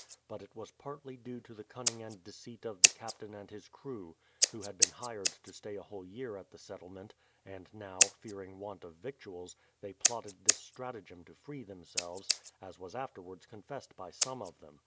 But it was partly due to the cunning and deceit of the captain and his crew, who had been hired to stay a whole year at the Settle ment, and now, fearing want of victuals, they plotted this stratagem to free themselves, as was afterwards confessed by some of them.